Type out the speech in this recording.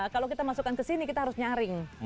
kalau kita masukkan ke sini kita harus nyaring